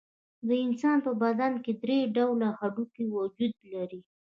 د انسان په بدن کې درې ډوله هډوکي وجود لري.